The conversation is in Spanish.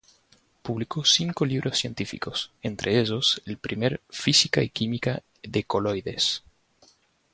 Publicó cinco libros científicos, entre ellos el primer Física y Química de Coloides.